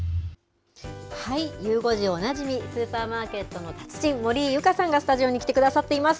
ゆう５時おなじみ、スーパーマーケットの達人、森井ユカさんがスタジオに来てくださっています。